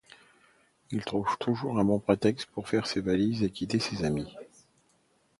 Il trouve toujours un bon prétexte pour faire ses valises et quitter ses amis.